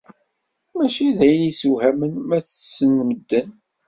Mačči d ayen yessewhamen ma ttessen medden.